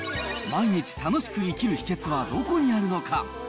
毎日楽しく生きる秘けつはどこにあるのか。